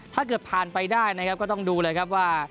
ถ้าเกิดผ่านไปได้นะครับก็ต้องดูเลยครับว่า